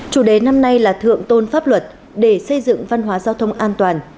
chủ đề năm nay là thượng tôn pháp luật để xây dựng văn hóa giao thông an toàn